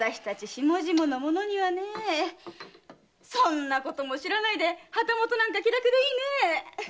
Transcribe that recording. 下々の者にはねそんなことも知らないで旗本なんか気楽でいいねえ！